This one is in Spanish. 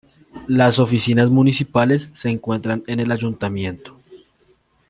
Las oficinas municipales se encuentran en el ayuntamiento.